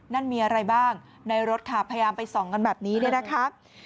นั่นมีอะไรบ้างในรถค่ะพยายามไปส่องกันแบบนี้เนี่ยนะคะ